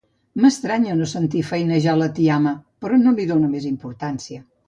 M'estranya no sentir feinejar la tiama, però no li dono més importància.